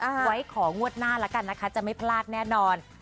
ไว้ของงวดหน้าแล้วกันนะคะจะไม่พลาดแน่นอน